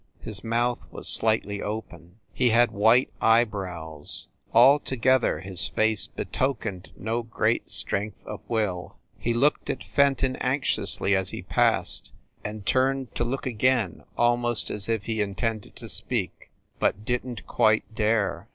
His mouth was slightly open; he had white eye brows; altogether, his face betokened no great strength of will. He looked at Fenton anxiously, as he passed, and turned to look again almost as if he intended to speak, but didn t quite dare.